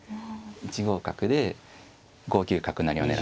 １五角で５九角成を狙って。